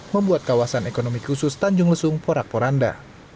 membuat kawasan ekonomi khusus tanjung lesung porak poranda